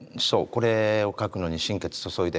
これを描くのに心血注いでるから。